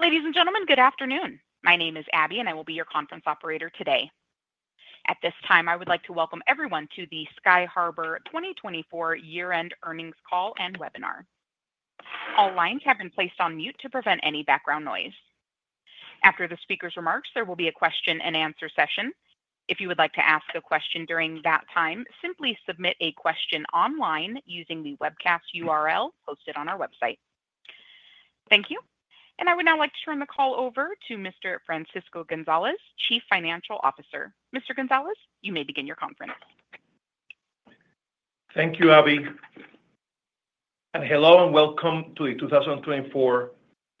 Ladies and gentlemen, good afternoon. My name is Abby, and I will be your conference operator today. At this time, I would like to welcome everyone to the Sky Harbour 2024 Year-End Earnings Call and Webinar. All lines have been placed on mute to prevent any background noise. After the speaker's remarks, there will be a question-and-answer session. If you would like to ask a question during that time, simply submit a question online using the webcast URL posted on our website. Thank you. I would now like to turn the call over to Mr. Francisco Gonzalez, Chief Financial Officer. Mr. Gonzalez, you may begin your conference. Thank you, Abby. Hello and welcome to the 2024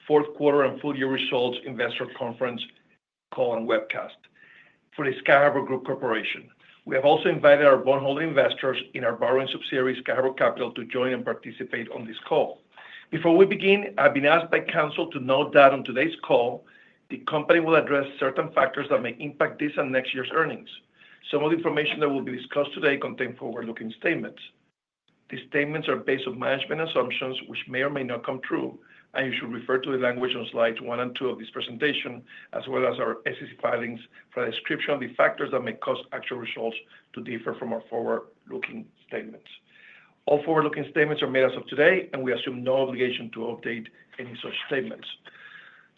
Q4 and full year results investor conference call and webcast for the Sky Harbour Group Corporation. We have also invited our borrowing holding investors in our borrowing subsidiary, Sky Harbour Capital, to join and participate on this call. Before we begin, I've been asked by counsel to note that on today's call, the company will address certain factors that may impact this and next year's earnings. Some of the information that will be discussed today contains forward-looking statements. These statements are based on management assumptions, which may or may not come true, and you should refer to the language on slides one and two of this presentation, as well as our SEC filings for a description of the factors that may cause actual results to differ from our forward-looking statements. All forward-looking statements are made as of today, and we assume no obligation to update any such statements.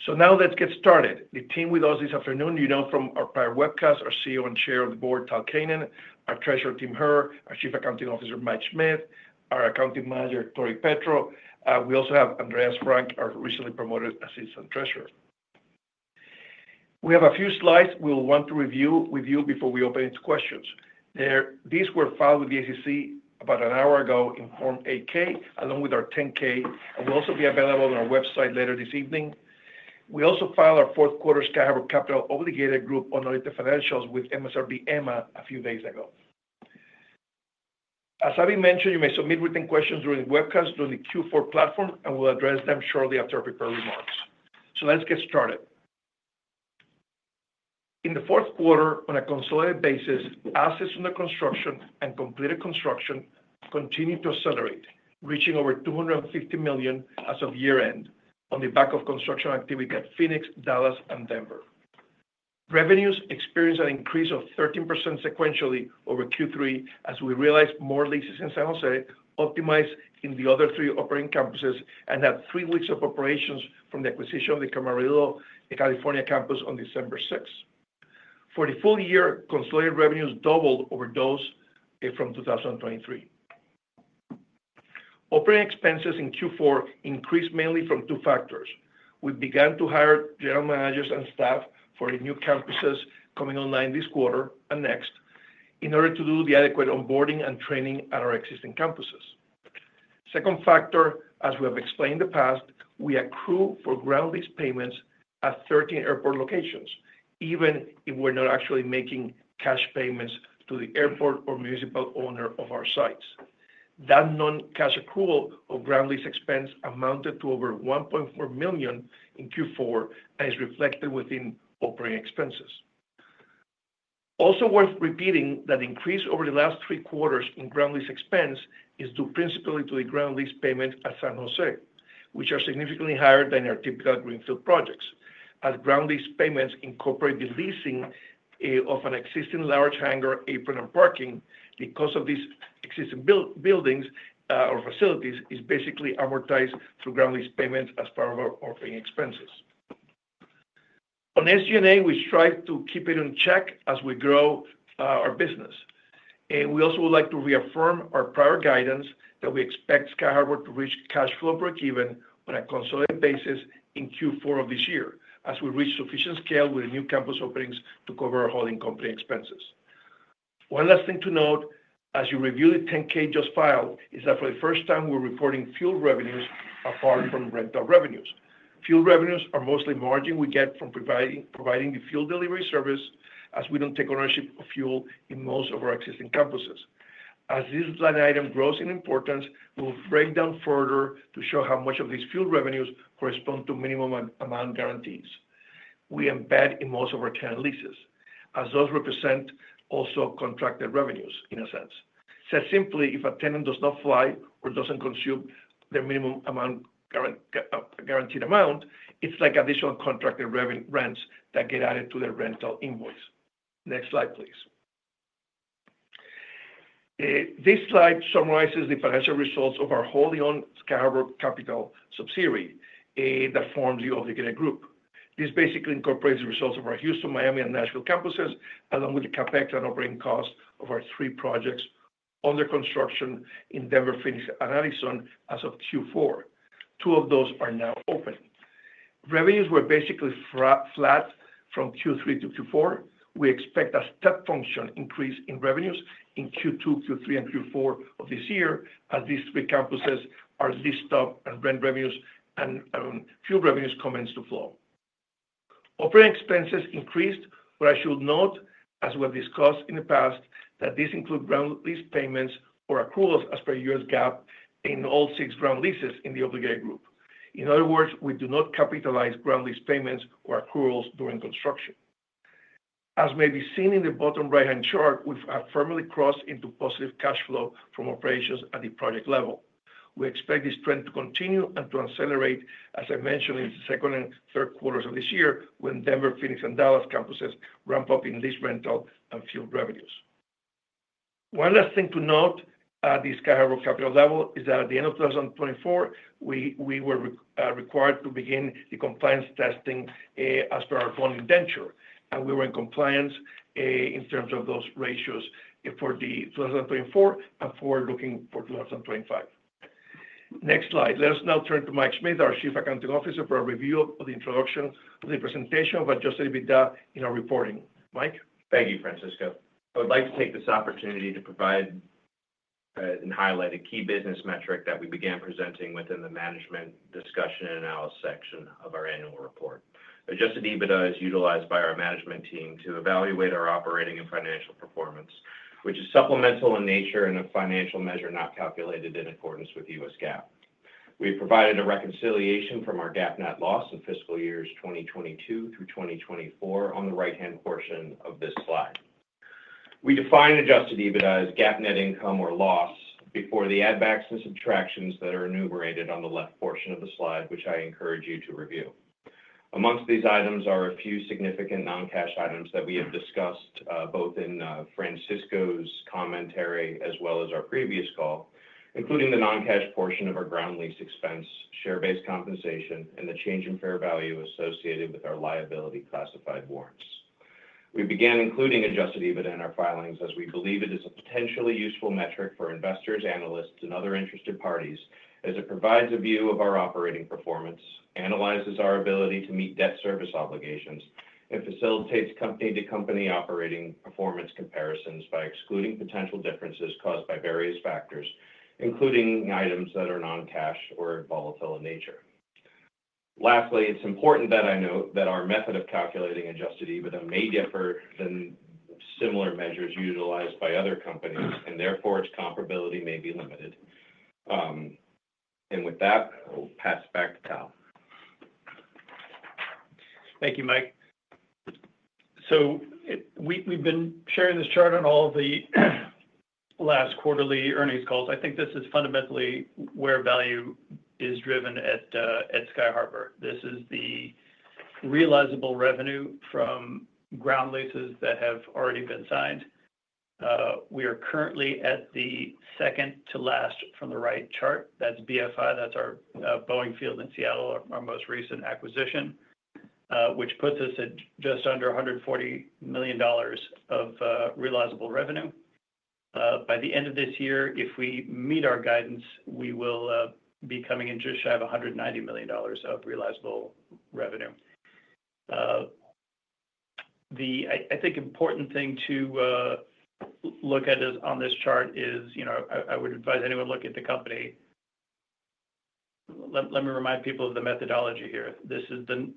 Now let's get started. The team with us this afternoon, you know from our prior webcast, our CEO and Chair of the Board, Tal Keinan, our Treasurer, Tim Herr, our Chief Accounting Officer, Mike Schmitt, our Accounting Manager, Tory Petro. We also have Andreas Frank, our recently promoted Assistant Treasurer. We have a few slides we will want to review with you before we open it to questions. These were filed with the SEC about an hour ago in Form 8-K, along with our 10-K. It will also be available on our website later this evening. We also filed our Q4 Sky Harbour Capital Obligated Group Annuity Financials with MSRB EMMA a few days ago. As Abby mentioned, you may submit written questions during the webcast through the Q4 platform, and we'll address them shortly after our prepared remarks. Let's get started. In the Q4, on a consolidated basis, assets under construction and completed construction continue to accelerate, reaching over $250 million as of year-end on the back of construction activity at Phoenix, Dallas, and Denver. Revenues experienced an increase of 13% sequentially over Q3 as we realized more leases in San Jose, optimized in the other three operating campuses, and had three weeks of operations from the acquisition of the Camarillo, California campus on December 6. For the full year, consolidated revenues doubled over those from 2023. Operating expenses in Q4 increased mainly from two factors. We began to hire general managers and staff for the new campuses coming online this quarter and next in order to do the adequate onboarding and training at our existing campuses. Second factor, as we have explained in the past, we accrue for ground lease payments at 13 airport locations, even if we're not actually making cash payments to the airport or municipal owner of our sites. That non-cash accrual of ground lease expense amounted to over $1.4 million in Q4 and is reflected within operating expenses. Also worth repeating that the increase over the last three quarters in ground lease expense is due principally to the ground lease payments at San Jose, which are significantly higher than our typical greenfield projects, as ground lease payments incorporate the leasing of an existing large hangar, apron, and parking. Because of these existing buildings or facilities, it is basically amortized through ground lease payments as part of our operating expenses. On SG&A, we strive to keep it in check as we grow our business. We also would like to reaffirm our prior guidance that we expect Sky Harbour to reach cash flow break-even on a consolidated basis in Q4 of this year as we reach sufficient scale with the new campus openings to cover our holding company expenses. One last thing to note as you review the 10-K just filed is that for the first time, we're reporting fuel revenues apart from rental revenues. Fuel revenues are mostly margin we get from providing the fuel delivery service, as we don't take ownership of fuel in most of our existing campuses. As this line item grows in importance, we will break down further to show how much of these fuel revenues correspond to minimum amount guarantees we embed in most of our tenant leases, as those represent also contracted revenues in a sense. Said simply, if a tenant does not fly or doesn't consume their minimum guaranteed amount, it's like additional contracted rents that get added to their rental invoice. Next slide, please. This slide summarizes the financial results of our holding on Sky Harbour Capital subsidiary that forms the obligated group. This basically incorporates the results of our Houston, Miami, and Nashville campuses, along with the Capex and operating costs of our three projects under construction in Denver, Phoenix, and Addison as of Q4. Two of those are now open. Revenues were basically flat from Q3 to Q4. We expect a step function increase in revenues in Q2, Q3, and Q4 of this year as these three campuses are leased up and rent revenues and fuel revenues commence to flow. Operating expenses increased, but I should note, as we have discussed in the past, that these include ground lease payments or accruals as per years GAAP in all six ground leases in the obligated group. In other words, we do not capitalize ground lease payments or accruals during construction. As may be seen in the bottom right-hand chart, we've firmly crossed into positive cash flow from operations at the project level. We expect this trend to continue and to accelerate, as I mentioned, in the second and Q3s of this year when Denver, Phoenix, and Dallas campuses ramp up in lease, rental, and fuel revenues. One last thing to note at the Sky Harbour Capital level is that at the end of 2024, we were required to begin the compliance testing as per our funding indenture, and we were in compliance in terms of those ratios for 2024 and for looking for 2025. Next slide. Let us now turn to Mike Schmitt, our Chief Accounting Officer, for a review of the introduction of the presentation of Adjusted EBITDA in our reporting. Mike? Thank you, Francisco. I would like to take this opportunity to provide and highlight a key business metric that we began presenting within the management discussion and analysis section of our annual report. Adjusted EBITDA is utilized by our management team to evaluate our operating and financial performance, which is supplemental in nature and a financial measure not calculated in accordance with U.S. GAAP. We have provided a reconciliation from our GAAP net loss in fiscal years 2022 through 2024 on the right-hand portion of this slide. We define Adjusted EBITDA as GAAP net income or loss before the add-backs and subtractions that are enumerated on the left portion of the slide, which I encourage you to review. Amongst these items are a few significant non-cash items that we have discussed both in Francisco's commentary as well as our previous call, including the non-cash portion of our ground lease expense, share-based compensation, and the change in fair value associated with our liability classified warrants. We began including Adjusted EBITDA in our filings as we believe it is a potentially useful metric for investors, analysts, and other interested parties as it provides a view of our operating performance, analyzes our ability to meet debt service obligations, and facilitates company-to-company operating performance comparisons by excluding potential differences caused by various factors, including items that are non-cash or volatile in nature. Lastly, it's important that I note that our method of calculating Adjusted EBITDA may differ than similar measures utilized by other companies, and therefore its comparability may be limited. With that, I'll pass it back to Tal. Thank you, Mike. We've been sharing this chart on all of the last quarterly earnings calls. I think this is fundamentally where value is driven at Sky Harbour. This is the realizable revenue from ground leases that have already been signed. We are currently at the second to last from the right chart. That's BFI. That's our Boeing Field in Seattle, our most recent acquisition, which puts us at just under $140 million of realizable revenue. By the end of this year, if we meet our guidance, we will be coming into shape $190 million of realizable revenue. The, I think, important thing to look at on this chart is, you know, I would advise anyone looking at the company, let me remind people of the methodology here. This is the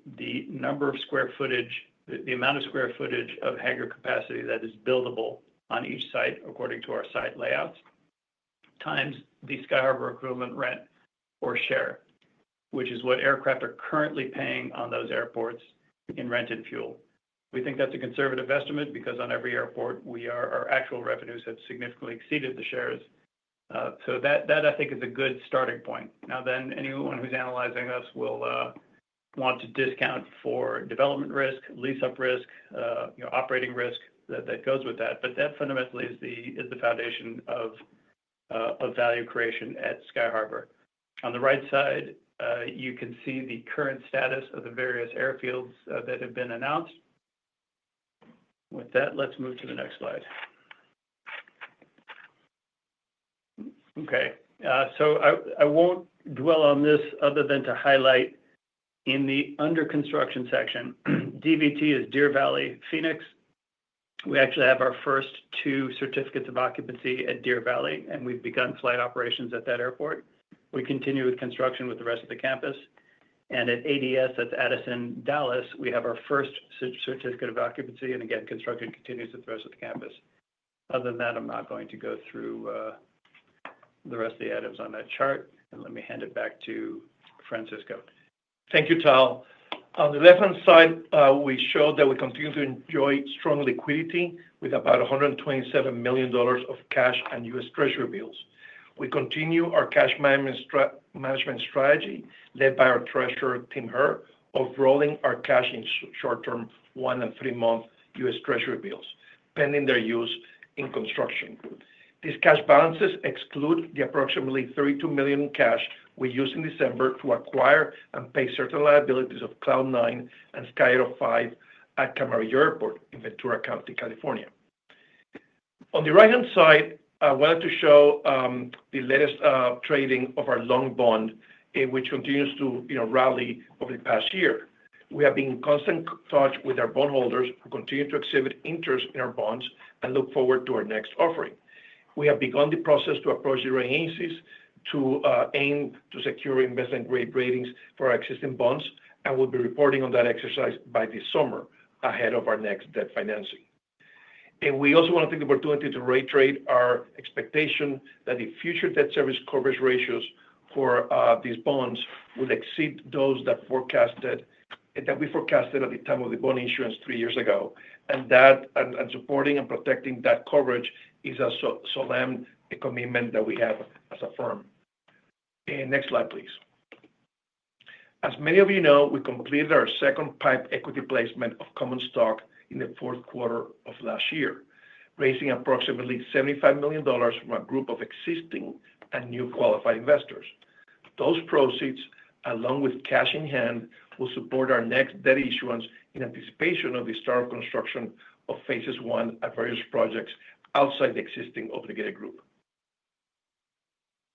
number of square footage, the amount of square footage of hangar capacity that is buildable on each site according to our site layouts, times the Sky Harbour accruement rent or share, which is what aircraft are currently paying on those airports in rented fuel. We think that's a conservative estimate because on every airport, our actual revenues have significantly exceeded the shares. That, I think, is a good starting point. Now, anyone who's analyzing us will want to discount for development risk, lease-up risk, you know, operating risk that goes with that. That fundamentally is the foundation of value creation at Sky Harbour. On the right side, you can see the current status of the various airfields that have been announced. With that, let's move to the next slide. Okay. I will not dwell on this other than to highlight in the under construction section, DVT is Deer Valley, Phoenix. We actually have our first two certificates of occupancy at Deer Valley, and we have begun flight operations at that airport. We continue with construction with the rest of the campus. At ADS, that is Addison, Dallas, we have our first certificate of occupancy. Again, construction continues with the rest of the campus. Other than that, I am not going to go through the rest of the items on that chart. Let me hand it back to Francisco. Thank you, Tal. On the left-hand side, we show that we continue to enjoy strong liquidity with about $127 million of cash and US Treasury bills. We continue our cash management strategy led by our Treasurer, Tim Herr, of rolling our cash in short-term one and three-month US Treasury bills pending their use in construction. These cash balances exclude the approximately $32 million cash we used in December to acquire and pay certain liabilities of Cloud 9 and Sky 805 at Camarillo Airport in Ventura County, California. On the right-hand side, I wanted to show the latest trading of our long bond, which continues to rally over the past year. We have been in constant touch with our bondholders who continue to exhibit interest in our bonds and look forward to our next offering. We have begun the process to approach the rating agencies to aim to secure investment-grade ratings for our existing bonds and will be reporting on that exercise by this summer ahead of our next debt financing. We also want to take the opportunity to reiterate our expectation that the future debt service coverage ratios for these bonds will exceed those that we forecasted at the time of the bond issuance three years ago. Supporting and protecting that coverage is a solemn commitment that we have as a firm. Next slide, please. As many of you know, we completed our second PIPE equity placement of common stock in the Q4 of last year, raising approximately $75 million from a group of existing and new qualified investors. Those proceeds, along with cash in hand, will support our next debt issuance in anticipation of the start of construction of phases one at various projects outside the existing obligated group.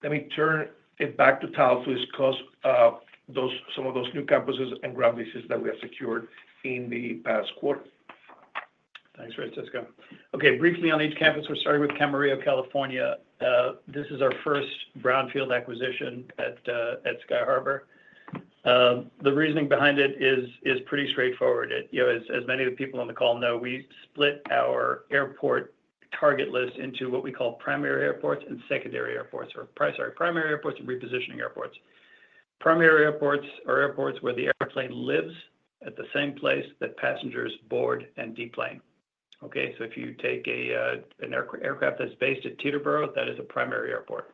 Let me turn it back to Tal to discuss some of those new campuses and ground leases that we have secured in the past quarter. Thanks, Francisco. Okay, briefly on each campus, we're starting with Camarillo, California. This is our first brownfield acquisition at Sky Harbour. The reasoning behind it is pretty straightforward. As many of the people on the call know, we split our airport target list into what we call primary airports and secondary airports, or primary airports and repositioning airports. Primary airports are airports where the airplane lives at the same place that passengers board and deplane. Okay? If you take an aircraft that's based at Teterboro, that is a primary airport.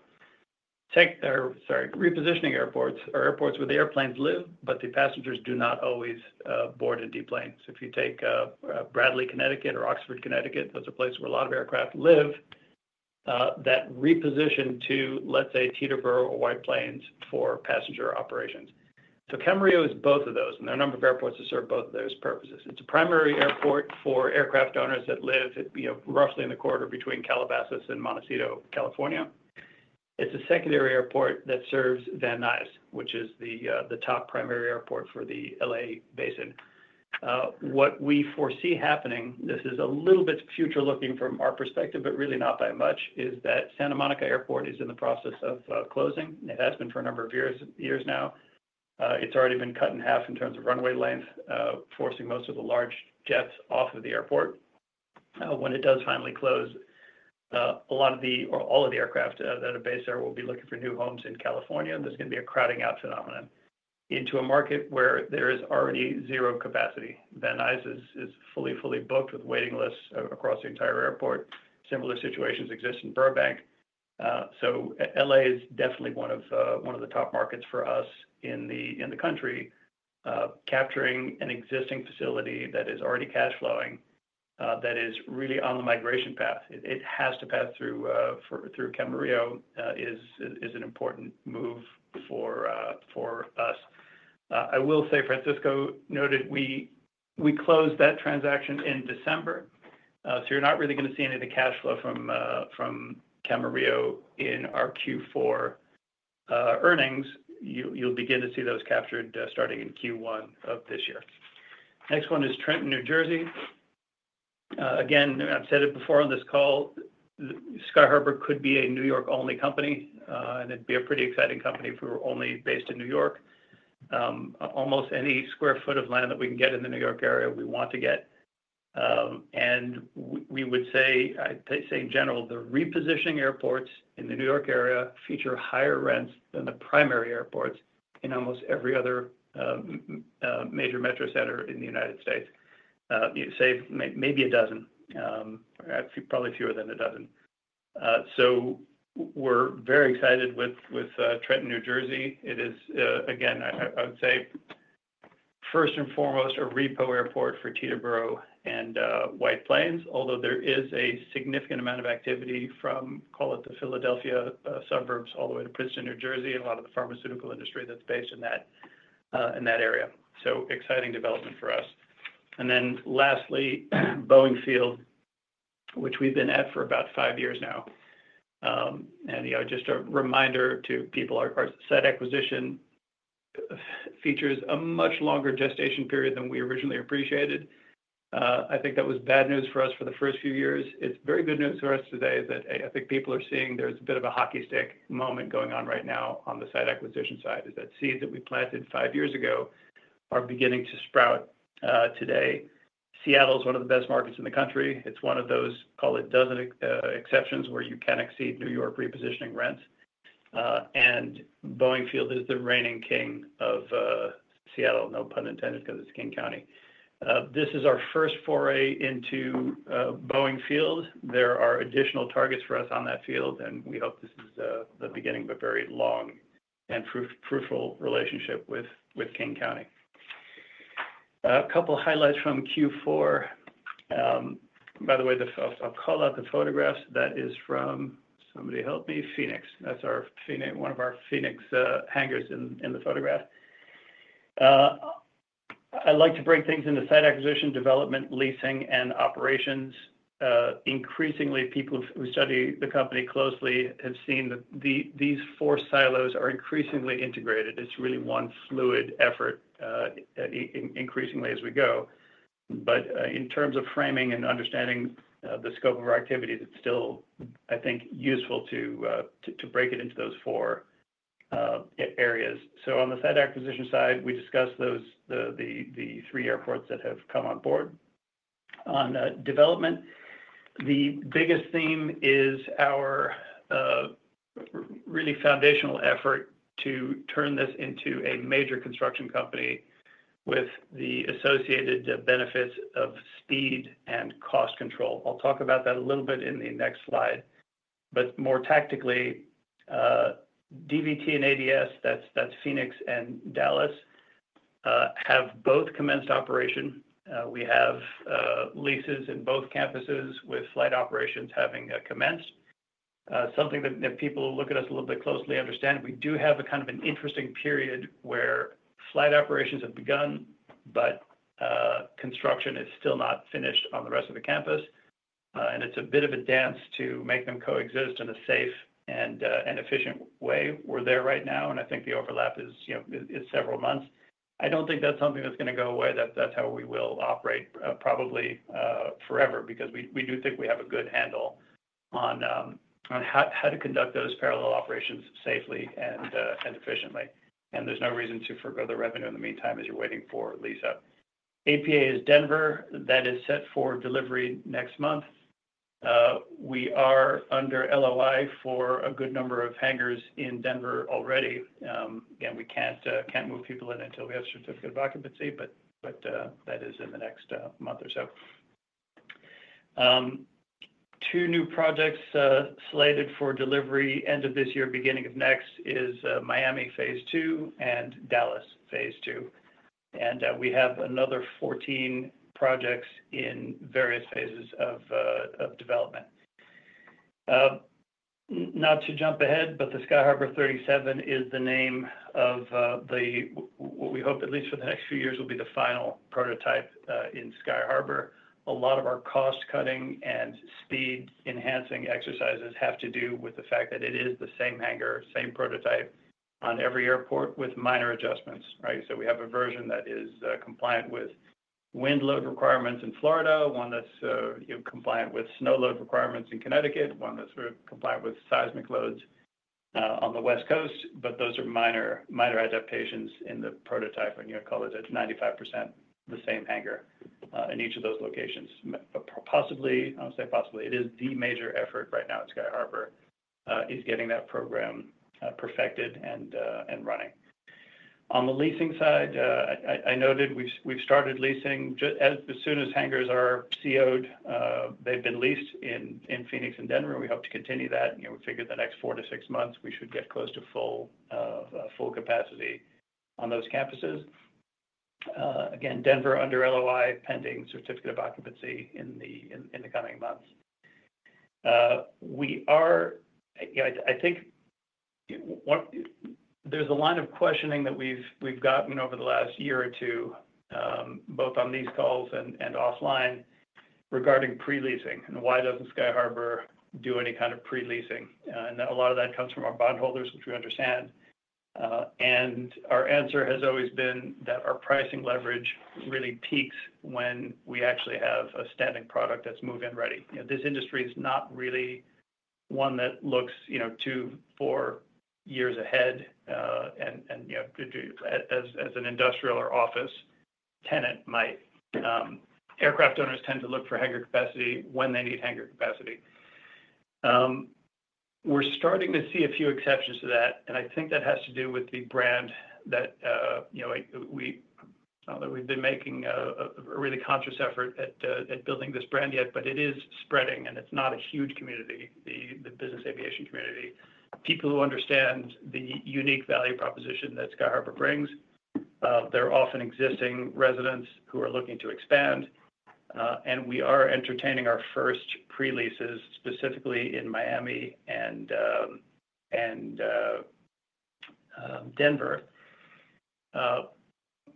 Repositioning airports are airports where the airplanes live, but the passengers do not always board and deplane. If you take Bradley, Connecticut, or Oxford, Connecticut, that's a place where a lot of aircraft live that reposition to, let's say, Teterboro or White Plains for passenger operations. Camarillo is both of those, and there are a number of airports that serve both of those purposes. It's a primary airport for aircraft owners that live roughly in the corridor between Calabasas and Montecito, California. It's a secondary airport that serves Van Nuys, which is the top primary airport for the LA basin. What we foresee happening, this is a little bit future-looking from our perspective, but really not by much, is that Santa Monica Airport is in the process of closing. It has been for a number of years now. It's already been cut in half in terms of runway length, forcing most of the large jets off of the airport. When it does finally close, a lot of the or all of the aircraft that are based there will be looking for new homes in California, and there's going to be a crowding-out phenomenon into a market where there is already zero capacity. Van Nuys is fully, fully booked with waiting lists across the entire airport. Similar situations exist in Burbank. LA is definitely one of the top markets for us in the country, capturing an existing facility that is already cash-flowing that is really on the migration path. It has to pass through Camarillo is an important move for us. I will say, Francisco noted, we closed that transaction in December. You're not really going to see any of the cash flow from Camarillo in our Q4 earnings. You'll begin to see those captured starting in Q1 of this year. Next one is Trenton, New Jersey. Again, I've said it before on this call, Sky Harbour could be a New York-only company, and it'd be a pretty exciting company if we were only based in New York. Almost any square foot of land that we can get in the New York area, we want to get. I say in general, the repositioning airports in the New York area feature higher rents than the primary airports in almost every other major metro center in the United States, save maybe a dozen, probably fewer than a dozen. We are very excited with Trenton, New Jersey. It is, again, I would say, first and foremost, a repo airport for Teterboro and White Plains, although there is a significant amount of activity from, call it the Philadelphia suburbs all the way to Princeton, New Jersey, and a lot of the pharmaceutical industry that's based in that area. Exciting development for us. Lastly, Boeing Field, which we've been at for about five years now. Just a reminder to people, our site acquisition features a much longer gestation period than we originally appreciated. I think that was bad news for us for the first few years. It is very good news for us today that I think people are seeing there's a bit of a hockey stick moment going on right now on the site acquisition side, as seeds that we planted five years ago are beginning to sprout today. Seattle is one of the best markets in the country. It's one of those, call it dozen exceptions where you can exceed New York repositioning rents. And Boeing Field is the reigning king of Seattle, no pun intended because it's King County. This is our first foray into Boeing Field. There are additional targets for us on that field, and we hope this is the beginning of a very long and fruitful relationship with King County. A couple of highlights from Q4. By the way, I'll call out the photographs. That is from, somebody help me, Phoenix. That's one of our Phoenix hangars in the photograph. I like to bring things into site acquisition, development, leasing, and operations. Increasingly, people who study the company closely have seen that these four silos are increasingly integrated. It's really one fluid effort increasingly as we go. In terms of framing and understanding the scope of our activities, it's still, I think, useful to break it into those four areas. On the site acquisition side, we discussed the three airports that have come on board. On development, the biggest theme is our really foundational effort to turn this into a major construction company with the associated benefits of speed and cost control. I'll talk about that a little bit in the next slide. More tactically, DVT and ADS, that's Phoenix and Dallas, have both commenced operation. We have leases in both campuses with flight operations having commenced. Something that people who look at us a little bit closely understand, we do have a kind of an interesting period where flight operations have begun, but construction is still not finished on the rest of the campus. It's a bit of a dance to make them coexist in a safe and efficient way. We're there right now, and I think the overlap is several months. I don't think that's something that's going to go away. That's how we will operate probably forever because we do think we have a good handle on how to conduct those parallel operations safely and efficiently. There's no reason to forgo the revenue in the meantime as you're waiting for lease-up. APA is Denver. That is set for delivery next month. We are under LOI for a good number of hangars in Denver already. Again, we can't move people in until we have certificate of occupancy, but that is in the next month or so. Two new projects slated for delivery end of this year, beginning of next is Miami phase two and Dallas phase two. We have another 14 projects in various phases of development. Not to jump ahead, but the Sky Harbour 37 is the name of what we hope, at least for the next few years, will be the final prototype in Sky Harbour. A lot of our cost-cutting and speed-enhancing exercises have to do with the fact that it is the same hangar, same prototype on every airport with minor adjustments, right? We have a version that is compliant with wind load requirements in Florida, one that is compliant with snow load requirements in Connecticut, one that is compliant with seismic loads on the West Coast. Those are minor adaptations in the prototype, and you will call it at 95% the same hangar in each of those locations. Possibly, I will say possibly, the major effort right now at Sky Harbour is getting that program perfected and running. On the leasing side, I noted we've started leasing as soon as hangars are CO. They've been leased in Phoenix and Denver, and we hope to continue that. We figure the next four to six months, we should get close to full capacity on those campuses. Again, Denver under LOI, pending certificate of occupancy in the coming months. I think there's a line of questioning that we've gotten over the last year or two, both on these calls and offline, regarding pre-leasing and why doesn't Sky Harbour do any kind of pre-leasing. A lot of that comes from our bondholders, which we understand. Our answer has always been that our pricing leverage really peaks when we actually have a standing product that's move-in ready. This industry is not really one that looks two, four years ahead. As an industrial or office tenant might, aircraft owners tend to look for hangar capacity when they need hangar capacity. We are starting to see a few exceptions to that, and I think that has to do with the brand that we have been making a really conscious effort at building. This brand, yet, it is spreading, and it is not a huge community, the business aviation community. People who understand the unique value proposition that Sky Harbour brings. There are often existing residents who are looking to expand. We are entertaining our first pre-leases specifically in Miami and Denver.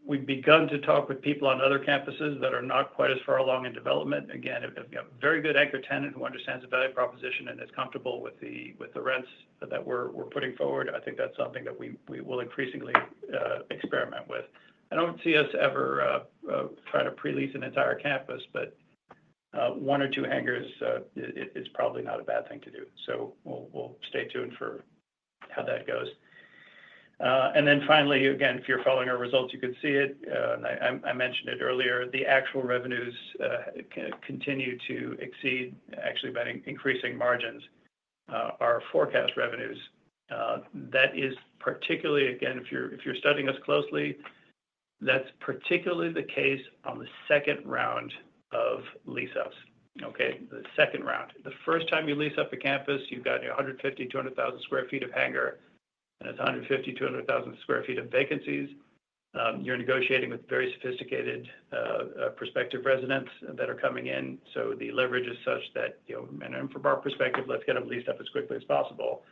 We have begun to talk with people on other campuses that are not quite as far along in development. Again, a very good anchor tenant who understands the value proposition and is comfortable with the rents that we are putting forward. I think that is something that we will increasingly experiment with. I don't see us ever trying to pre-lease an entire campus, but one or two hangars is probably not a bad thing to do. We'll stay tuned for how that goes. Finally, again, if you're following our results, you can see it. I mentioned it earlier. The actual revenues continue to exceed, actually by increasing margins, our forecast revenues. That is particularly, again, if you're studying us closely, that's particularly the case on the second round of lease-ups, okay? The second round. The first time you lease up a campus, you've got 150,000-200,000 sq ft of hangar, and it's 150,000-200,000 sq ft of vacancies. You're negotiating with very sophisticated prospective residents that are coming in. The leverage is such that, from our perspective, let's get them leased up as quickly as possible.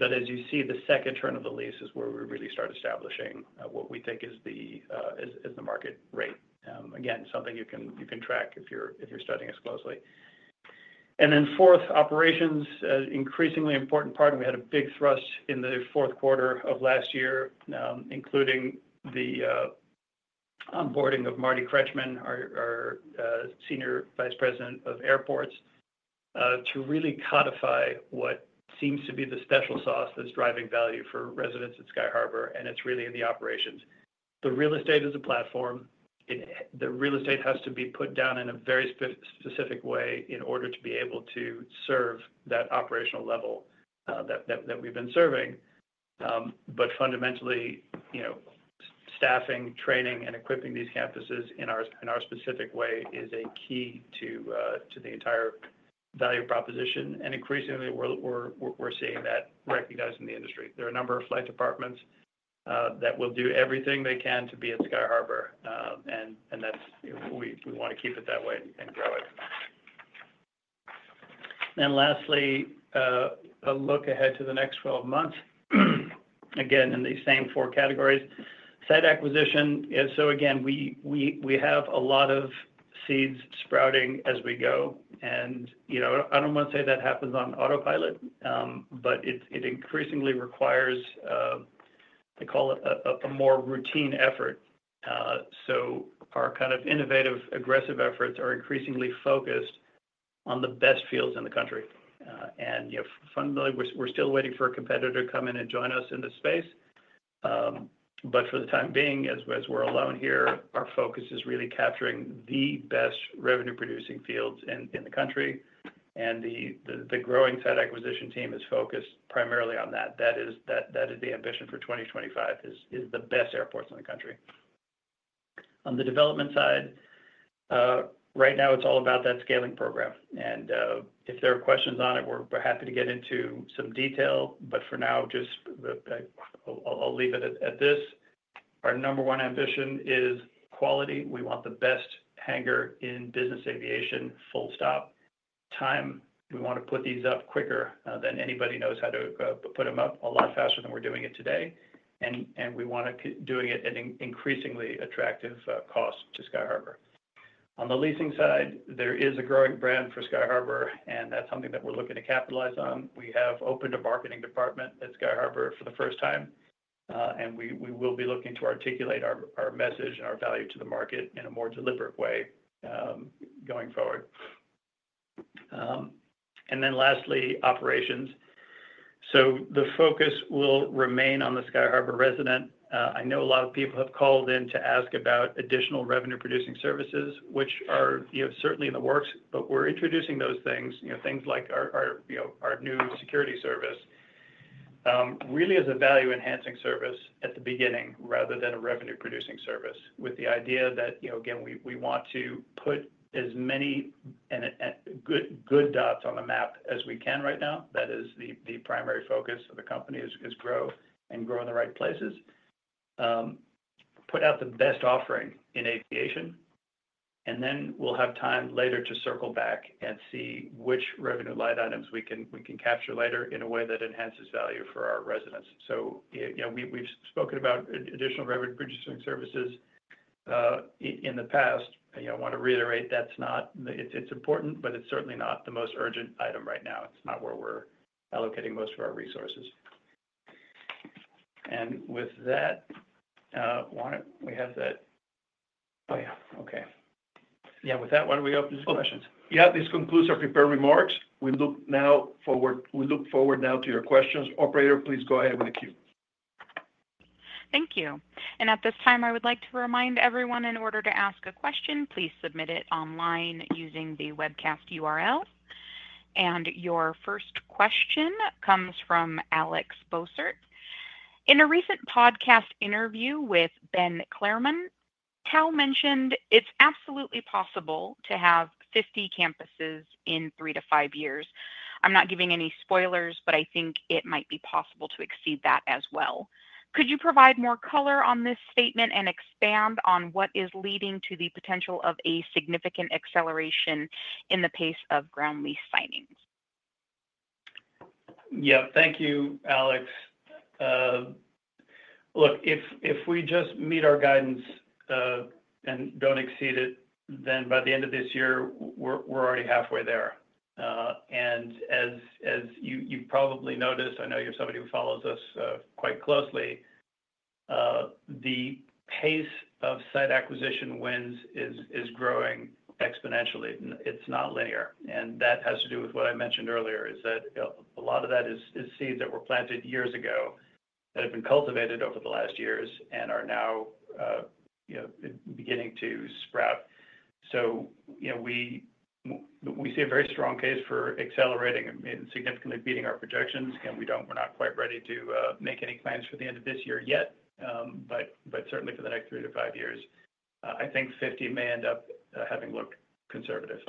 As you see, the second turn of the lease is where we really start establishing what we think is the market rate. Again, something you can track if you're studying us closely. Fourth operations, increasingly important part. We had a big thrust in the Q4 of last year, including the onboarding of Marty Kretchman, our Senior Vice President of Airports, to really codify what seems to be the special sauce that's driving value for residents at Sky Harbour, and it's really in the operations. The real estate is a platform. The real estate has to be put down in a very specific way in order to be able to serve that operational level that we've been serving. Fundamentally, staffing, training, and equipping these campuses in our specific way is a key to the entire value proposition. Increasingly, we're seeing that recognized in the industry. There are a number of flight departments that will do everything they can to be at Sky Harbour, and we want to keep it that way and grow it. Lastly, a look ahead to the next 12 months, again, in these same four categories. Site acquisition. We have a lot of seeds sprouting as we go. I do not want to say that happens on autopilot, but it increasingly requires, I call it, a more routine effort. Our kind of innovative, aggressive efforts are increasingly focused on the best fields in the country. Fundamentally, we are still waiting for a competitor to come in and join us in this space. For the time being, as we are alone here, our focus is really capturing the best revenue-producing fields in the country. The growing site acquisition team is focused primarily on that. That is the ambition for 2025, is the best airports in the country. On the development side, right now, it's all about that scaling program. If there are questions on it, we're happy to get into some detail. For now, I'll leave it at this. Our number one ambition is quality. We want the best hangar in business aviation, full stop. Time, we want to put these up quicker than anybody knows how to put them up, a lot faster than we're doing it today. We want to be doing it at an increasingly attractive cost to Sky Harbour. On the leasing side, there is a growing brand for Sky Harbour, and that's something that we're looking to capitalize on. We have opened a marketing department at Sky Harbour for the first time, and we will be looking to articulate our message and our value to the market in a more deliberate way going forward. Lastly, operations. The focus will remain on the Sky Harbour resident. I know a lot of people have called in to ask about additional revenue-producing services, which are certainly in the works, but we're introducing those things, things like our new security service, really as a value-enhancing service at the beginning rather than a revenue-producing service, with the idea that, again, we want to put as many good dots on the map as we can right now. That is the primary focus of the company, is grow and grow in the right places, put out the best offering in aviation, and then we'll have time later to circle back and see which revenue line items we can capture later in a way that enhances value for our residents. We have spoken about additional revenue-producing services in the past. I want to reiterate that it's important, but it's certainly not the most urgent item right now. It's not where we're allocating most of our resources. With that, we have that. Oh, yeah. Okay. Yeah. With that, why don't we open to questions? Yeah. This concludes our prepared remarks. We look forward now to your questions. Operator, please go ahead with the queue. Thank you.At this time, I would like to remind everyone, in order to ask a question, please submit it online using the webcast URL. Your first question comes from Alex Bossert. In a recent podcast interview with Ben Clareman, Tal mentioned it's absolutely possible to have 50 campuses in three to five years. I'm not giving any spoilers, but I think it might be possible to exceed that as well. Could you provide more color on this statement and expand on what is leading to the potential of a significant acceleration in the pace of ground lease signings? Yeah. Thank you, Alex. Look, if we just meet our guidance and don't exceed it, then by the end of this year, we're already halfway there. As you've probably noticed, I know you're somebody who follows us quite closely, the pace of site acquisition wins is growing exponentially. It's not linear. That has to do with what I mentioned earlier, is that a lot of that is seeds that were planted years ago that have been cultivated over the last years and are now beginning to sprout. We see a very strong case for accelerating and significantly beating our projections. Again, we're not quite ready to make any plans for the end of this year yet, but certainly for the next three to five years. I think 50 may end up having looked conservative.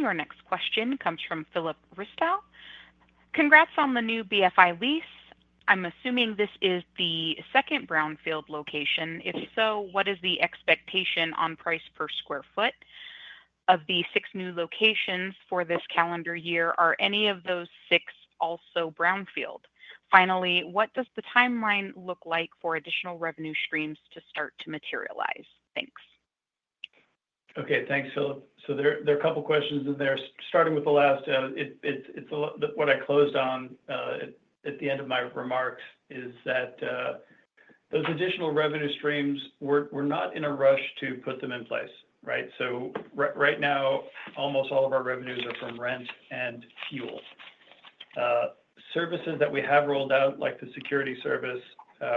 Your next question comes from Philip Ristow. Congrats on the new BFI lease. I'm assuming this is the second brownfield location. If so, what is the expectation on price per sq ft of the six new locations for this calendar year? Are any of those six also brownfield? Finally, what does the timeline look like for additional revenue streams to start to materialize? Thanks. Okay. Thanks, Philip. There are a couple of questions in there. Starting with the last, it's what I closed on at the end of my remarks, is that those additional revenue streams, we're not in a rush to put them in place, right? Right now, almost all of our revenues are from rent and fuel. Services that we have rolled out, like the security service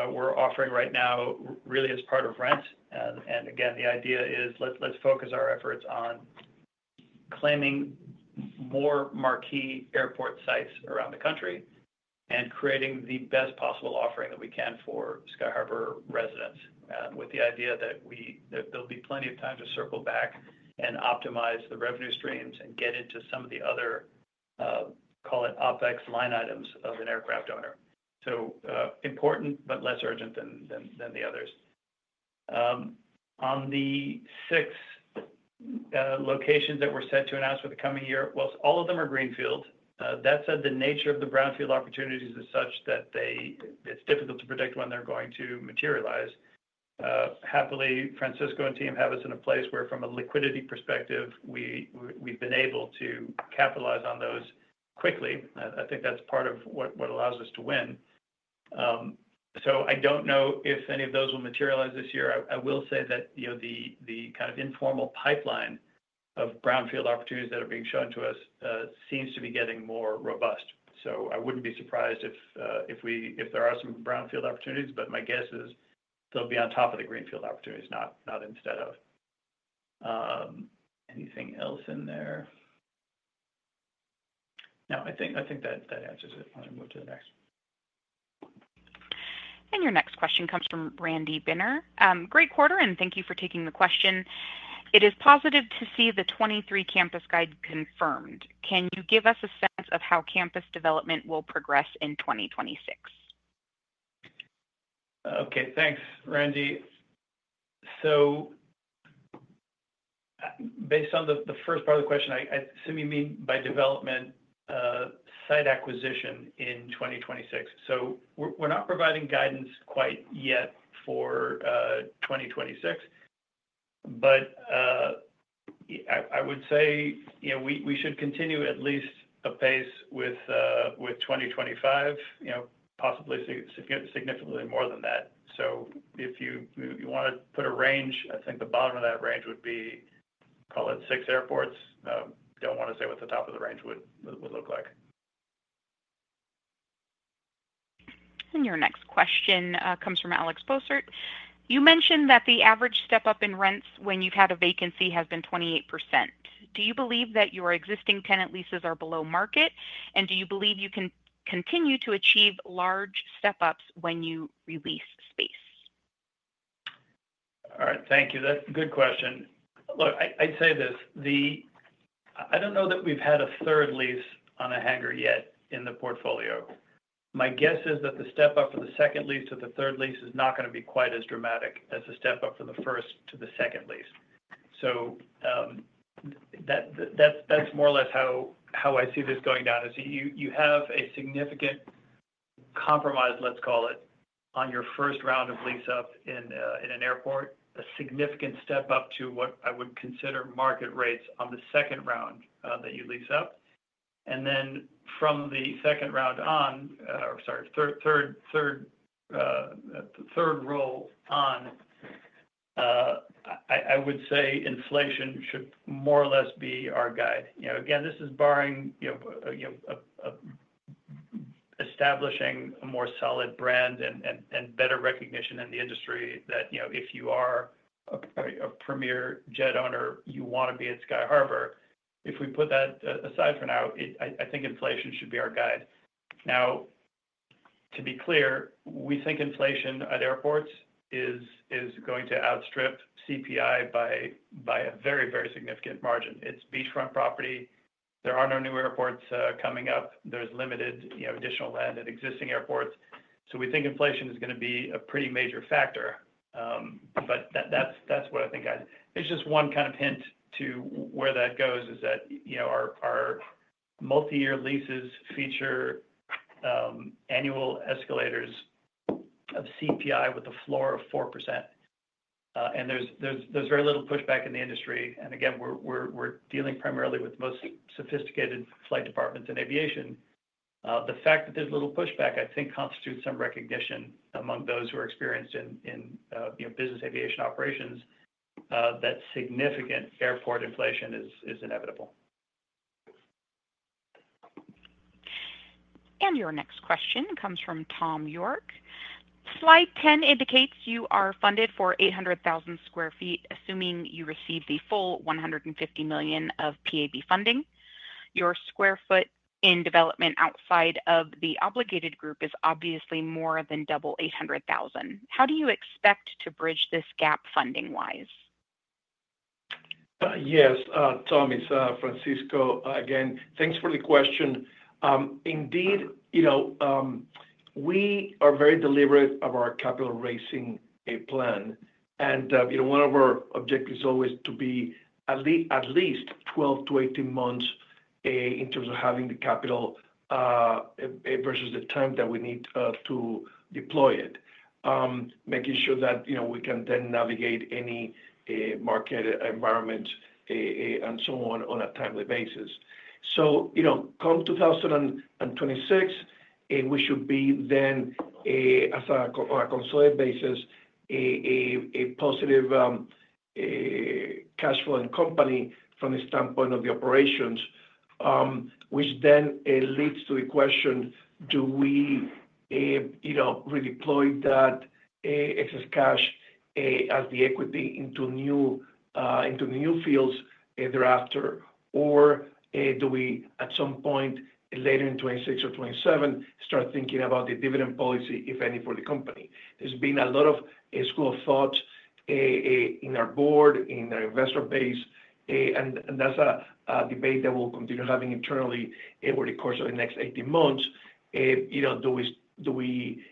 we're offering right now, really as part of rent. The idea is let's focus our efforts on claiming more marquee airport sites around the country and creating the best possible offering that we can for Sky Harbour residents, with the idea that there'll be plenty of time to circle back and optimize the revenue streams and get into some of the other, call it OPEX line items of an aircraft owner. So important, but less urgent than the others. On the six locations that we're set to announce for the coming year, all of them are green fields. That said, the nature of the brownfield opportunities is such that it's difficult to predict when they're going to materialize. Happily, Francisco and team have us in a place where, from a liquidity perspective, we've been able to capitalize on those quickly. I think that's part of what allows us to win. I don't know if any of those will materialize this year. I will say that the kind of informal pipeline of brownfield opportunities that are being shown to us seems to be getting more robust. I wouldn't be surprised if there are some brownfield opportunities, but my guess is they'll be on top of the greenfield opportunities, not instead of. Anything else in there? No, I think that answers it. I'm going to move to the next. Your next question comes from Randy Benner. Great quarter, and thank you for taking the question. It is positive to see the 23-campus guide confirmed. Can you give us a sense of how campus development will progress in 2026? Okay. Thanks, Randy. Based on the first part of the question, I assume you mean by development, site acquisition in 2026. We're not providing guidance quite yet for 2026, but I would say we should continue at least a pace with 2025, possibly significantly more than that. If you want to put a range, I think the bottom of that range would be, call it six airports. I do not want to say what the top of the range would look like. Your next question comes from Alex Bossert. You mentioned that the average step-up in rents when you've had a vacancy has been 28%. Do you believe that your existing tenant leases are below market, and do you believe you can continue to achieve large step-ups when you release space? All right. Thank you. That's a good question. Look, I'd say this. I do not know that we've had a third lease on a hangar yet in the portfolio. My guess is that the step-up from the second lease to the third lease is not going to be quite as dramatic as the step-up from the first to the second lease. That is more or less how I see this going down, is you have a significant compromise, let's call it, on your first round of lease-up in an airport, a significant step-up to what I would consider market rates on the second round that you lease up. Then from the second round on, or sorry, third roll on, I would say inflation should more or less be our guide. Again, this is barring establishing a more solid brand and better recognition in the industry that if you are a premier jet owner, you want to be at Sky Harbour. If we put that aside for now, I think inflation should be our guide. Now, to be clear, we think inflation at airports is going to outstrip CPI by a very, very significant margin. It's beachfront property. There are no new airports coming up. There's limited additional land at existing airports. We think inflation is going to be a pretty major factor. That's what I think. Just one kind of hint to where that goes is that our multi-year leases feature annual escalators of CPI with a floor of 4%. There's very little pushback in the industry. Again, we're dealing primarily with most sophisticated flight departments in aviation. The fact that there's little pushback, I think, constitutes some recognition among those who are experienced in business aviation operations that significant airport inflation is inevitable. Your next question comes from Tom York. Slide 10 indicates you are funded for 800,000 sq ft, assuming you receive the full $150 million of PAB funding. Your sq ft in development outside of the obligated group is obviously more than double 800,000. How do you expect to bridge this gap funding-wise? Yes. Tom, it's Francisco. Again, thanks for the question. Indeed, we are very deliberate of our capital raising plan. One of our objectives always to be at least 12-18 months in terms of having the capital versus the time that we need to deploy it, making sure that we can then navigate any market environment and so on on a timely basis. Come 2026, we should be then, on a consolidated basis, a positive cash flowing company from the standpoint of the operations, which then leads to the question, do we redeploy that excess cash as the equity into new fields thereafter, or do we, at some point later in 2026 or 2027, start thinking about the dividend policy, if any, for the company? There's been a lot of school of thought in our board, in our investor base, and that's a debate that we'll continue having internally over the course of the next 18 months. Do we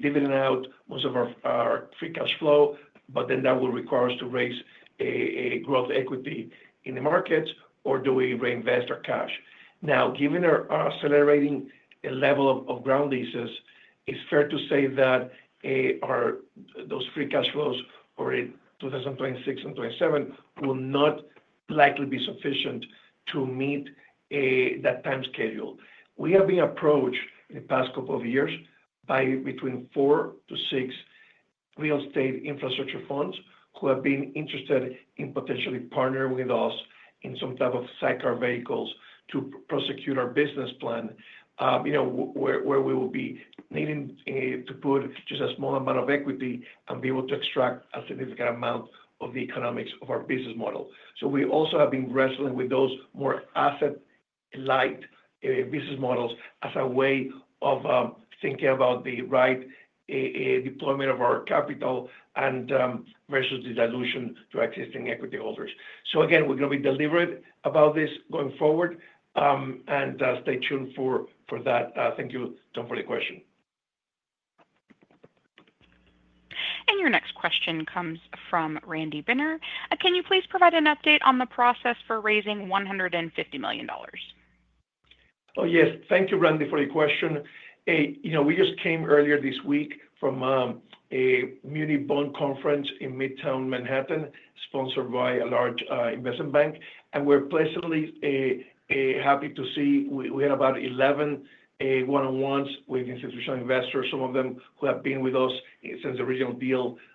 dividend out most of our free cash flow, but then that will require us to raise growth equity in the markets, or do we reinvest our cash? Now, given our accelerating level of ground leases, it's fair to say that those free cash flows for 2026 and 2027 will not likely be sufficient to meet that time schedule. We have been approached in the past couple of years by between four to six real estate infrastructure funds who have been interested in potentially partnering with us in some type of sidecar vehicles to prosecute our business plan, where we will be needing to put just a small amount of equity and be able to extract a significant amount of the economics of our business model. We also have been wrestling with those more asset-light business models as a way of thinking about the right deployment of our capital versus the dilution to existing equity holders. Again, we're going to be deliberate about this going forward, and stay tuned for that. Thank you, Tom, for the question. Your next question comes from Randy Benner. Can you please provide an update on the process for raising $150 million? Oh, yes. Thank you, Randy, for the question. We just came earlier this week from a Muni Bond Conference in Midtown Manhattan, sponsored by a large investment bank. We were pleasantly happy to see we had about 11 one-on-ones with institutional investors, some of them who have been with us since the original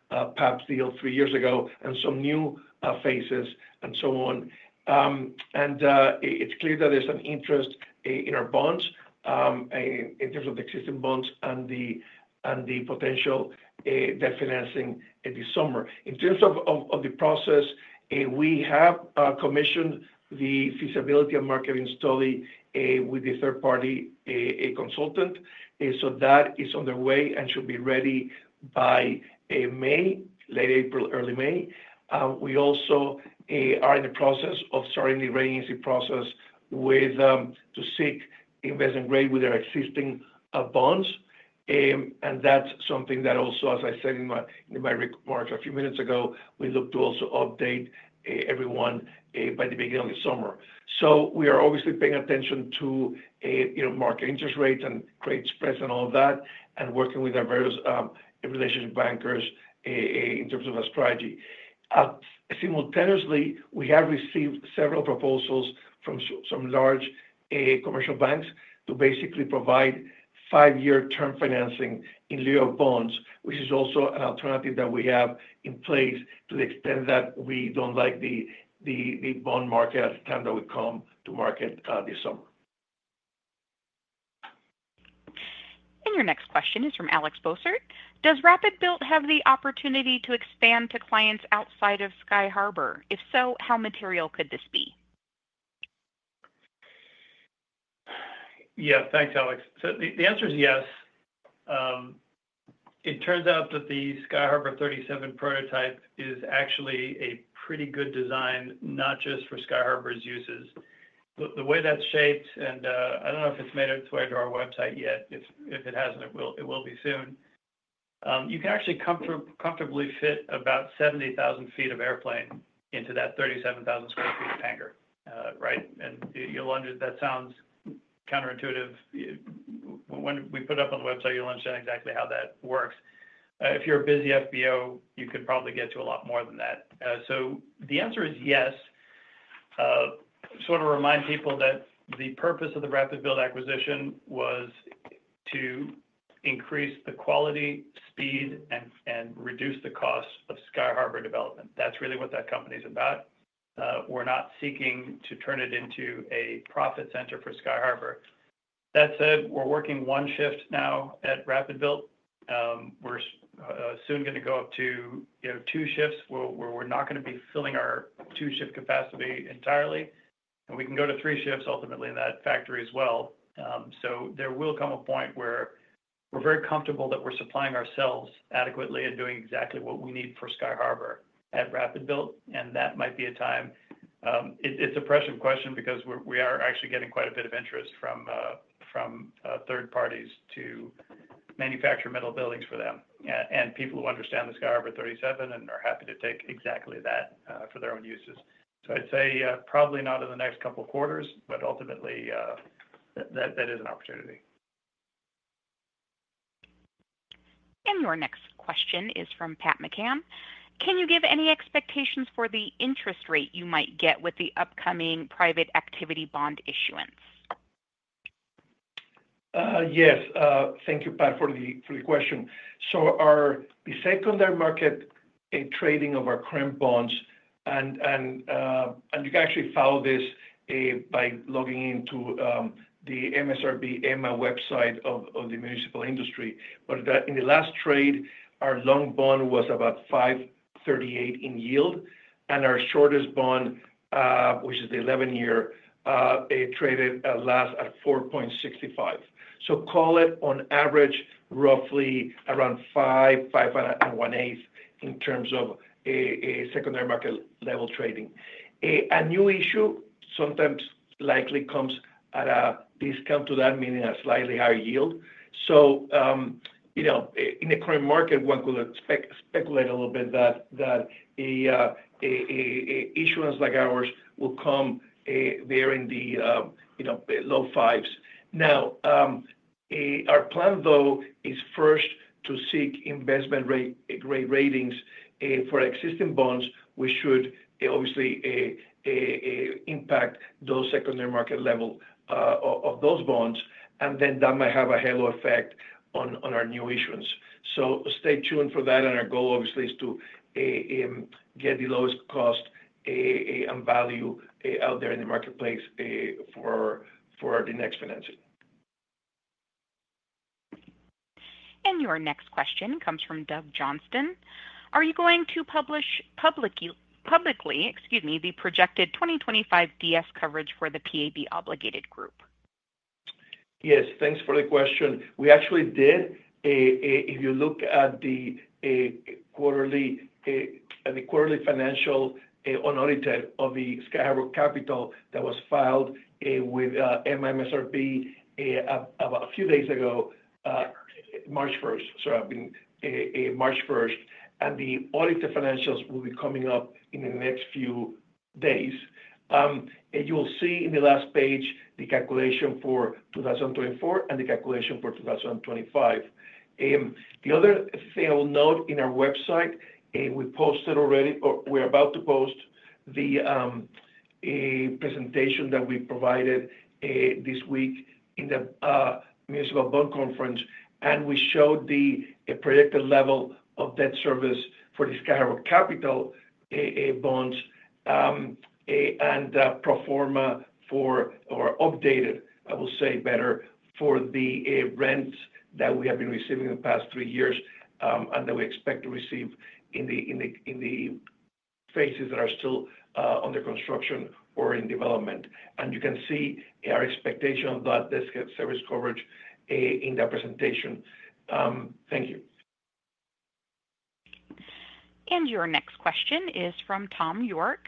PABs deal three years ago, and some new faces and so on. It is clear that there is an interest in our bonds in terms of the existing bonds and the potential debt financing this summer. In terms of the process, we have commissioned the feasibility and marketing study with the third-party consultant. That is on the way and should be ready by May, late April, early May. We also are in the process of starting the renewal process to seek investment grade with our existing bonds. That is something that also, as I said in my remarks a few minutes ago, we look to also update everyone by the beginning of the summer. We are obviously paying attention to market interest rates and credit spreads and all of that, and working with our various relationship bankers in terms of our strategy. Simultaneously, we have received several proposals from some large commercial banks to basically provide five-year term financing in lieu of bonds, which is also an alternative that we have in place to the extent that we do not like the bond market at the time that we come to market this summer. Your next question is from Alex Bossert. Does RapidBuilt have the opportunity to expand to clients outside of Sky Harbour? If so, how material could this be? Yeah. Thanks, Alex. The answer is yes. It turns out that the Sky Harbour 37 prototype is actually a pretty good design, not just for Sky Harbour's uses. The way that's shaped, and I do not know if it's made its way to our website yet. If it hasn't, it will be soon. You can actually comfortably fit about 70,000 ft of airplane into that 37,000 sq ft of hangar, right? That sounds counterintuitive. When we put it up on the website, you'll understand exactly how that works. If you're a busy FBO, you could probably get to a lot more than that. The answer is yes. Sort of remind people that the purpose of the RapidBuilt acquisition was to increase the quality, speed, and reduce the cost of Sky Harbour development. That's really what that company is about. We're not seeking to turn it into a profit center for Sky Harbour. That said, we're working one shift now at RapidBuilt. We're soon going to go up to two shifts. We're not going to be filling our two-shift capacity entirely. We can go to three shifts ultimately in that factory as well. There will come a point where we're very comfortable that we're supplying ourselves adequately and doing exactly what we need for Sky Harbour at RapidBuilt. That might be a time. It's a pressing question because we are actually getting quite a bit of interest from third parties to manufacture metal buildings for them, and people who understand the Sky Harbour 37 and are happy to take exactly that for their own uses. I'd say probably not in the next couple of quarters, but ultimately, that is an opportunity. Your next question is from Pat McCann. Can you give any expectations for the interest rate you might get with the upcoming private activity bond issuance? Yes. Thank you, Pat, for the question. The secondary market trading of our current bonds, and you can actually follow this by logging into the MSRB EMMA website of the municipal industry. In the last trade, our long bond was about 5.38% in yield. Our shortest bond, which is the 11-year, traded at last at 4.65%. Call it, on average, roughly around 5%, 5.18% in terms of secondary market level trading. A new issue sometimes likely comes at a discount to that, meaning a slightly higher yield. In the current market, one could speculate a little bit that issuance like ours will come there in the low fives. Now, our plan, though, is first to seek investment grade ratings for existing bonds, which should obviously impact those secondary market level of those bonds. That might have a halo effect on our new issuance. Stay tuned for that. Our goal, obviously, is to get the lowest cost and value out there in the marketplace for the next financing. Your next question comes from Doug Johnston. Are you going to publish publicly, excuse me, the projected 2025 DS coverage for the PAB obligated group? Yes. Thanks for the question. We actually did. If you look at the quarterly financial unaudited of the Sky Harbour Capital that was filed with MSRB a few days ago, March 1. I have been March 1. The audited financials will be coming up in the next few days. You will see in the last page the calculation for 2024 and the calculation for 2025. The other thing I will note, in our website, we posted already, or we are about to post, the presentation that we provided this week in the municipal bond conference. We showed the projected level of debt service for the Sky Harbour Capital bonds and proforma for, or updated, I will say better, for the rents that we have been receiving in the past three years and that we expect to receive in the phases that are still under construction or in development. You can see our expectation of that debt service coverage in that presentation. Thank you. Your next question is from Tom York.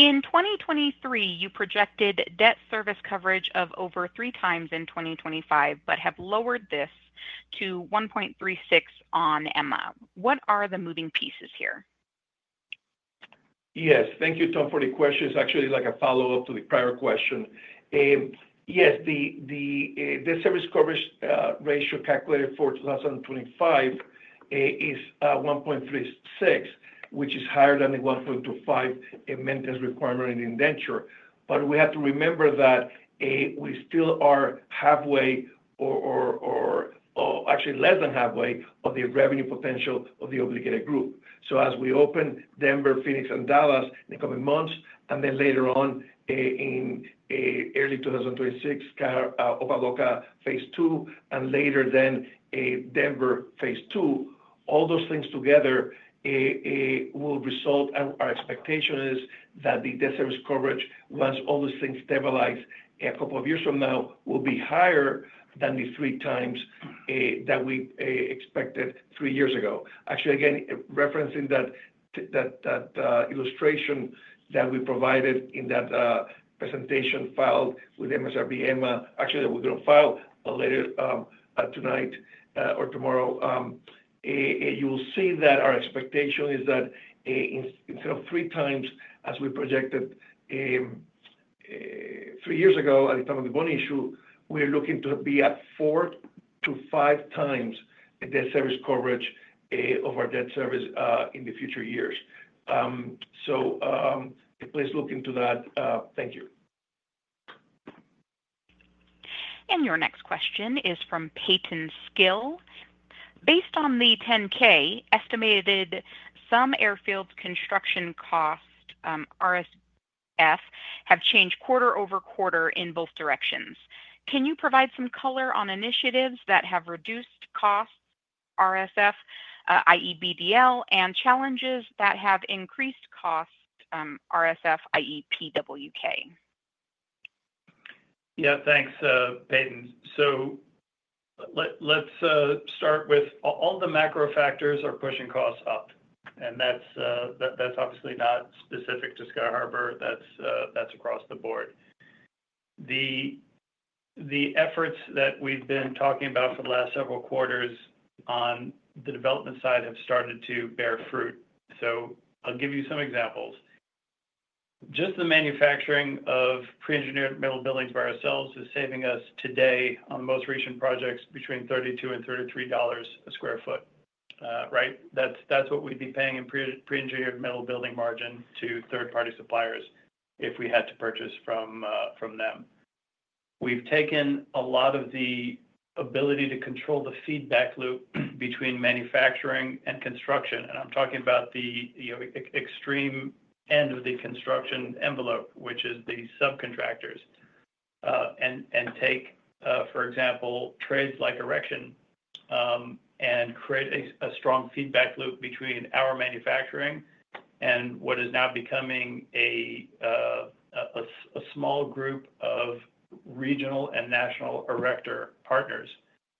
In 2023, you projected debt service coverage of over three times in 2025, but have lowered this to 1.36 on EMA. What are the moving pieces here? Yes. Thank you, Tom, for the question. It's actually like a follow-up to the prior question. Yes, the debt service coverage ratio calculated for 2025 is 1.36, which is higher than the 1.25 maintenance requirement in indenture. We have to remember that we still are halfway, or actually less than halfway, of the revenue potential of the obligated group. As we open Denver, Phoenix, and Dallas in the coming months, and then later on in early 2026, Sky Harbour Opa-Locka, phase two, and later then Denver, phase two, all those things together will result. Our expectation is that the debt service coverage, once all those things stabilize a couple of years from now, will be higher than the three times that we expected three years ago. Actually, again, referencing that illustration that we provided in that presentation filed with MSRB EMMA, actually that we're going to file later tonight or tomorrow, you will see that our expectation is that instead of three times as we projected three years ago at the time of the bond issue, we are looking to be at four to five times the debt service coverage of our debt service in the future years. Please look into that. Thank you. Your next question is from Peyton Skill. Based on the 10-K, estimated some airfield construction costs, RSF, have changed quarter over quarter in both directions. Can you provide some color on initiatives that have reduced costs, RSF, i.e., BDL, and challenges that have increased costs, RSF, i.e., PWK? Yeah. Thanks, Peyton. Let's start with all the macro factors are pushing costs up. That is obviously not specific to Sky Harbour. That is across the board. The efforts that we have been talking about for the last several quarters on the development side have started to bear fruit. I will give you some examples. Just the manufacturing of pre-engineered metal buildings by ourselves is saving us today on the most recent projects between $32 and $33 a sq ft, right? That is what we would be paying in pre-engineered metal building margin to third-party suppliers if we had to purchase from them. We have taken a lot of the ability to control the feedback loop between manufacturing and construction. I am talking about the extreme end of the construction envelope, which is the subcontractors. Take, for example, trades like erection and create a strong feedback loop between our manufacturing and what is now becoming a small group of regional and national erector partners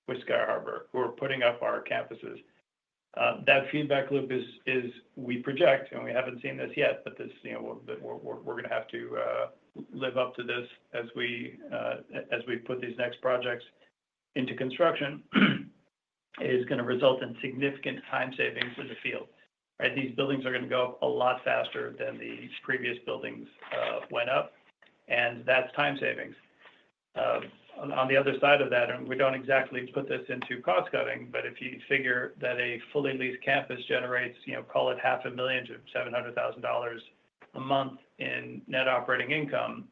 with Sky Harbour who are putting up our campuses. That feedback loop is, we project, and we have not seen this yet, but we are going to have to live up to this as we put these next projects into construction, is going to result in significant time savings in the field. These buildings are going to go up a lot faster than the previous buildings went up. That is time savings. On the other side of that, and we do not exactly put this into cost cutting, but if you figure that a fully leased campus generates, call it $500,000-$700,000 a month in net operating income,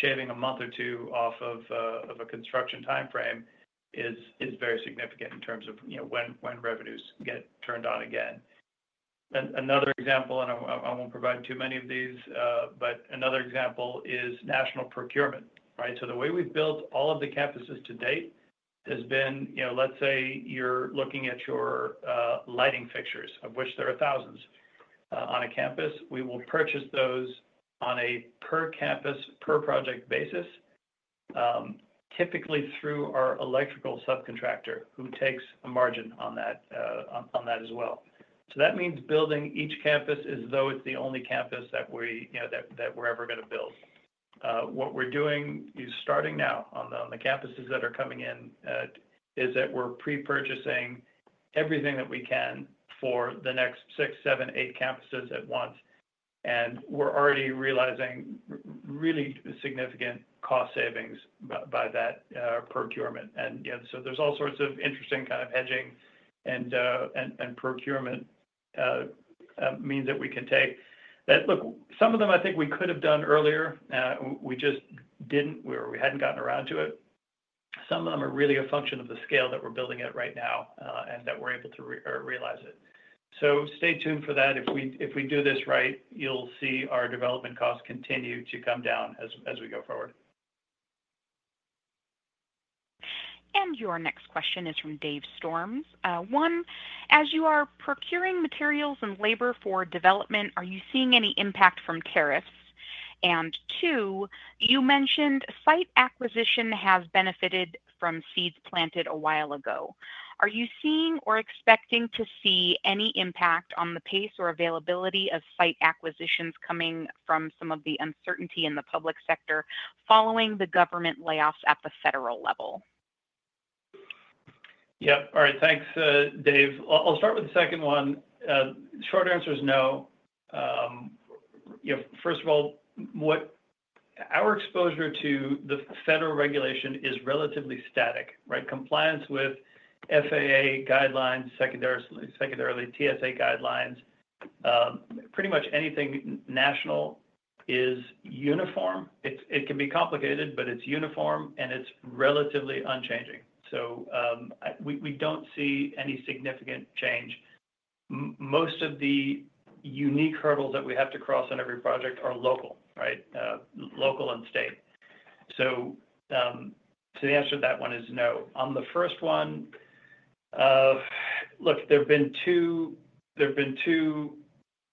shaving a month or two off of a construction timeframe is very significant in terms of when revenues get turned on again. Another example, and I will not provide too many of these, but another example is national procurement, right? The way we have built all of the campuses to date has been, let us say you are looking at your lighting fixtures, of which there are thousands on a campus. We will purchase those on a per-campus, per-project basis, typically through our electrical subcontractor who takes a margin on that as well. That means building each campus as though it is the only campus that we are ever going to build. What we're doing is starting now on the campuses that are coming in is that we're pre-purchasing everything that we can for the next six, seven, eight campuses at once. We're already realizing really significant cost savings by that procurement. There are all sorts of interesting kind of hedging and procurement means that we can take. Look, some of them I think we could have done earlier. We just didn't, or we hadn't gotten around to it. Some of them are really a function of the scale that we're building at right now and that we're able to realize it. Stay tuned for that. If we do this right, you'll see our development costs continue to come down as we go forward. Your next question is from Dave Storms. One, as you are procuring materials and labor for development, are you seeing any impact from tariffs? You mentioned site acquisition has benefited from seeds planted a while ago. Are you seeing or expecting to see any impact on the pace or availability of site acquisitions coming from some of the uncertainty in the public sector following the government layoffs at the federal level? Yep. All right. Thanks, Dave. I'll start with the second one. Short answer is no. First of all, our exposure to the federal regulation is relatively static, right? Compliance with FAA guidelines, secondarily TSA guidelines, pretty much anything national is uniform. It can be complicated, but it's uniform and it's relatively unchanging. We don't see any significant change. Most of the unique hurdles that we have to cross on every project are local, right? Local and state. The answer to that one is no. On the first one, look, there have been two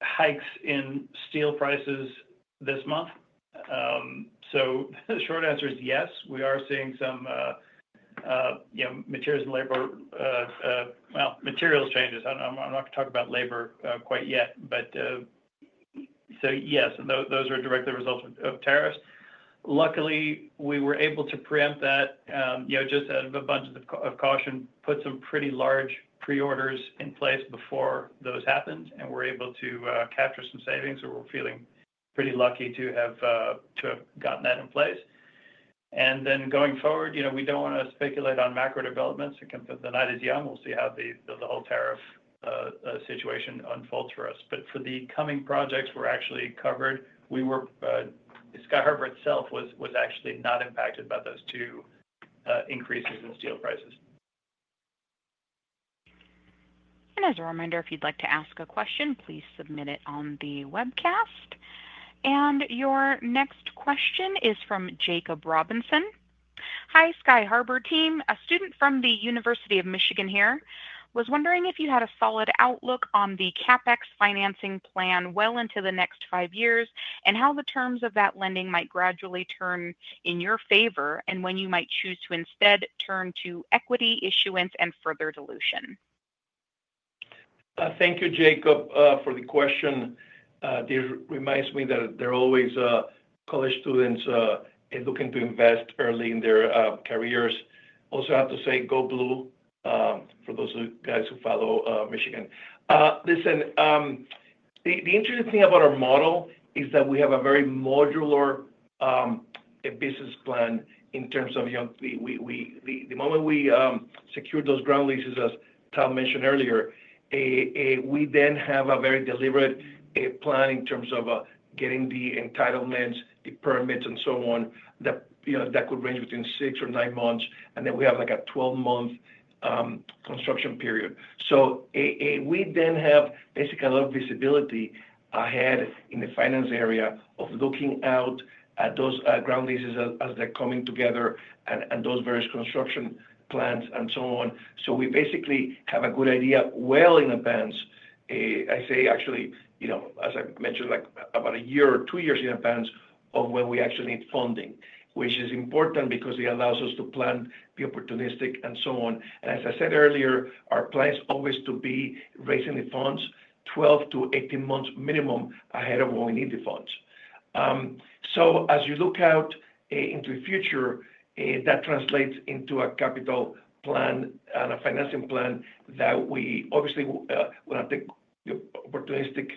hikes in steel prices this month. The short answer is yes. We are seeing some materials and labor, well, materials changes. I'm not going to talk about labor quite yet. Yes, those are directly resulting of tariffs. Luckily, we were able to preempt that just out of a bunch of caution, put some pretty large pre-orders in place before those happened, and we're able to capture some savings. We're feeling pretty lucky to have gotten that in place. Going forward, we don't want to speculate on macro developments. The night is young. We'll see how the whole tariff situation unfolds for us. For the coming projects, we're actually covered. Sky Harbour itself was actually not impacted by those two increases in steel prices. As a reminder, if you'd like to ask a question, please submit it on the webcast. Your next question is from Jacob Robinson. Hi, Sky Harbour team. A student from the University of Michigan here was wondering if you had a solid outlook on the Capex financing plan well into the next five years and how the terms of that lending might gradually turn in your favor and when you might choose to instead turn to equity issuance and further dilution. Thank you, Jacob, for the question. This reminds me that there are always college students looking to invest early in their careers. Also, I have to say, Go blue for those of you guys who follow Michigan. Listen, the interesting thing about our model is that we have a very modular business plan in terms of the moment we secure those ground leases, as Tom mentioned earlier, we then have a very deliberate plan in terms of getting the entitlements, the permits, and so on that could range between six or nine months. We then have like a 12-month construction period. We then have basically a lot of visibility ahead in the finance area of looking out at those ground leases as they're coming together and those various construction plans and so on. We basically have a good idea well in advance. I say actually, as I mentioned, like about a year or two years in advance of when we actually need funding, which is important because it allows us to plan, be opportunistic, and so on. As I said earlier, our plan is always to be raising the funds 12 to 18 months minimum ahead of when we need the funds. As you look out into the future, that translates into a capital plan and a financing plan that we obviously will have to be opportunistic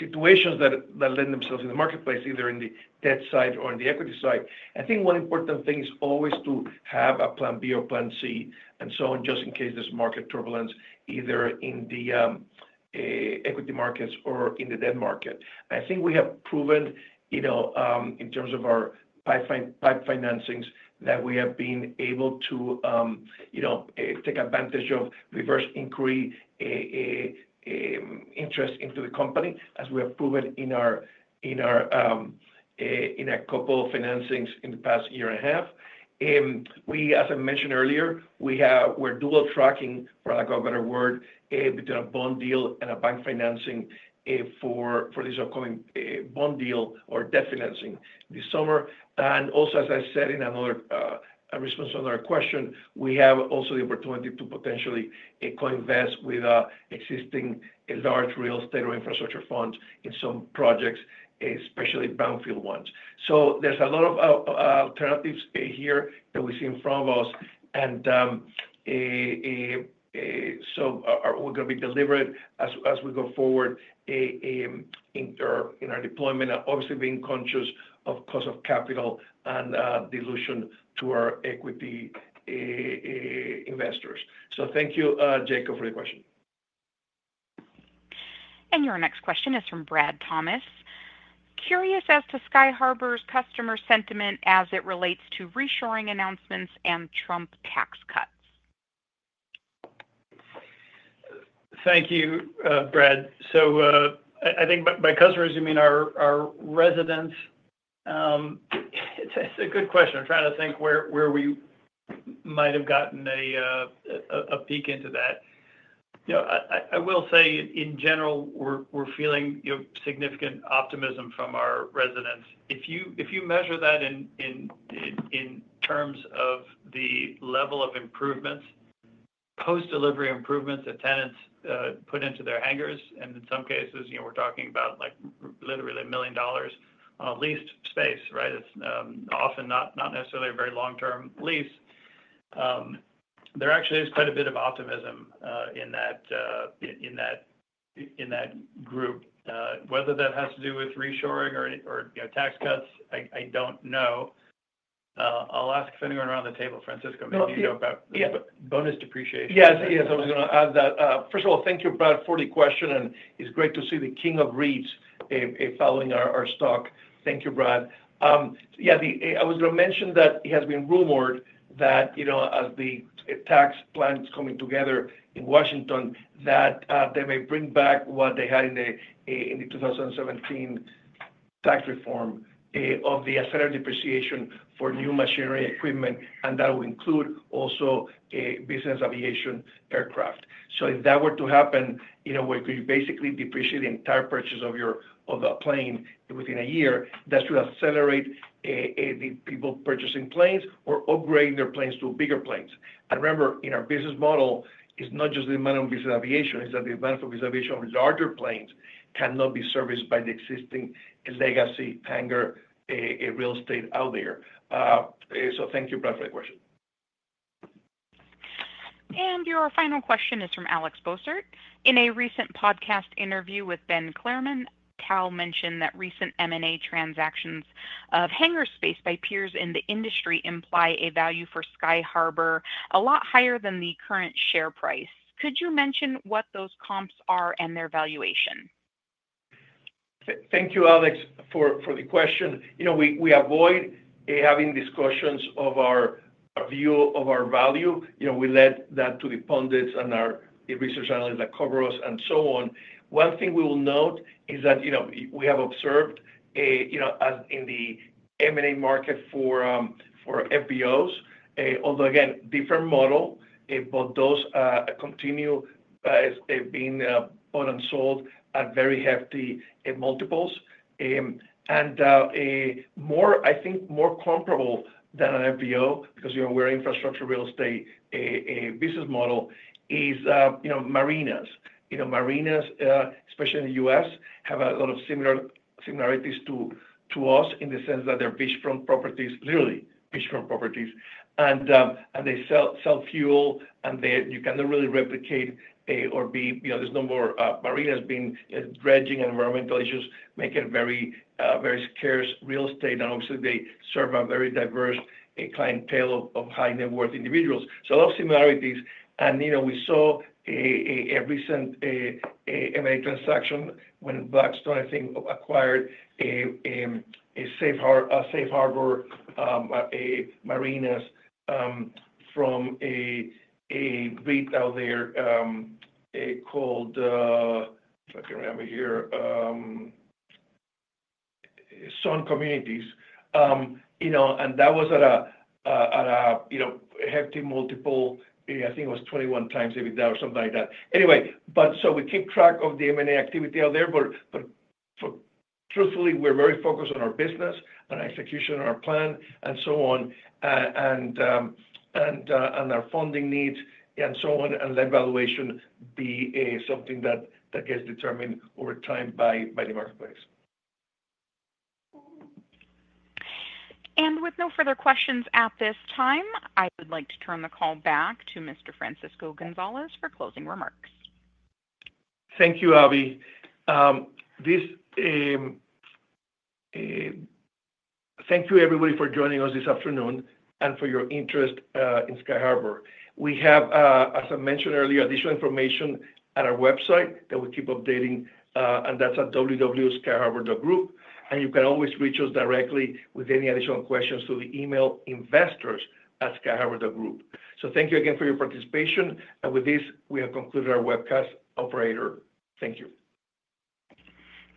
situations that lend themselves in the marketplace, either in the debt side or in the equity side. I think one important thing is always to have a plan B or plan C and so on just in case there is market turbulence, either in the equity markets or in the debt market. I think we have proven in terms of our pipe financings that we have been able to take advantage of reverse inquiry interest into the company, as we have proven in our couple of financings in the past year and a half. As I mentioned earlier, we're dual tracking, for lack of a better word, between a bond deal and a bank financing for this upcoming bond deal or debt financing this summer. As I said in response to another question, we have also the opportunity to potentially co-invest with existing large real estate or infrastructure funds in some projects, especially brownfield ones. There are a lot of alternatives here that we see in front of us. We are going to be deliberate as we go forward in our deployment, obviously being conscious of cost of capital and dilution to our equity investors. Thank you, Jacob, for the question. Your next question is from Brad Thomas. Curious as to Sky Harbour's customer sentiment as it relates to reshoring announcements and Trump tax cuts. Thank you, Brad. I think by customers, you mean our residents? It's a good question. I'm trying to think where we might have gotten a peek into that. I will say, in general, we're feeling significant optimism from our residents. If you measure that in terms of the level of improvements, post-delivery improvements that tenants put into their hangars, and in some cases, we're talking about literally a million dollars on a leased space, right? It's often not necessarily a very long-term lease. There actually is quite a bit of optimism in that group. Whether that has to do with reshoring or tax cuts, I don't know. I'll ask if anyone around the table, Francisco, maybe you know about bonus depreciation. Yeah. I was going to add that. First of all, thank you, Brad, for the question. It's great to see the King of REITs following our stock. Thank you, Brad. Yeah. I was going to mention that it has been rumored that as the tax plans coming together in Washington, that they may bring back what they had in the 2017 tax reform of the accelerated depreciation for new machinery equipment, and that will include also business aviation aircraft. If that were to happen, where you basically depreciate the entire purchase of a plane within a year, that should accelerate the people purchasing planes or upgrading their planes to bigger planes. I remember in our business model, it's not just the amount of business aviation. It's that the amount of business aviation of larger planes cannot be serviced by the existing legacy hangar real estate out there. Thank you, Brad, for the question. Your final question is from Alex Bossert. In a recent podcast interview with Ben Clareman, Tal mentioned that recent M&A transactions of hangar space by peers in the industry imply a value for Sky Harbour a lot higher than the current share price. Could you mention what those comps are and their valuation? Thank you, Alex, for the question. We avoid having discussions of our view of our value. We let that to the pundits and our research analysts that cover us and so on. One thing we will note is that we have observed in the M&A market for FBOs, although again, different model, but those continue being bought and sold at very hefty multiples. I think more comparable than an FBO, because we're an infrastructure real estate business model, is marinas. Marinas, especially in the U.S., have a lot of similarities to us in the sense that they're beachfront properties, literally beachfront properties. They sell fuel, and you cannot really replicate or be there's no more marinas being dredging and environmental issues make it very scarce real estate. Obviously, they serve a very diverse clientele of high net worth individuals. A lot of similarities. We saw a recent M&A transaction when Blackstone, I think, acquired Safe Harbor Marinas from a REIT out there called, if I can remember here, Sun Communities. That was at a hefty multiple, I think it was 21 times every dollar or something like that. Anyway, we keep track of the M&A activity out there. Truthfully, we're very focused on our business and execution and our plan and so on and our funding needs and so on, and that valuation be something that gets determined over time by the marketplace. With no further questions at this time, I would like to turn the call back to Mr. Francisco Gonzalez for closing remarks. Thank you, Abby. Thank you, everybody, for joining us this afternoon and for your interest in Sky Harbour. We have, as I mentioned earlier, additional information at our website that we keep updating, and that is at www.skyharbour.group. You can always reach us directly with any additional questions through the email investors@skyharbour.group. Thank you again for your participation. With this, we have concluded our webcast, operator. Thank you.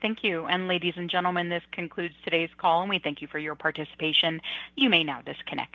Thank you. Ladies and gentlemen, this concludes today's call, and we thank you for your participation. You may now disconnect.